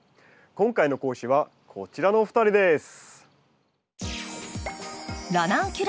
今回の講師はこちらのお二人です。